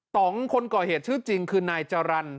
ต้องคนก่อเหตุชื่อจริงคือนายจรรย์